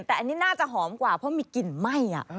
แต่อันนี้น่าจะหอมกว่าเพราะมีกลิ่นไหม้